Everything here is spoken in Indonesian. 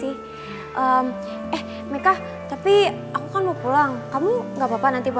kemudianaan aku akan ketemu awak merupakan kulade itu juga